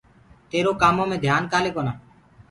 تيرو ڪآمو مي ڌيآن ڪآلي ڪونآ؟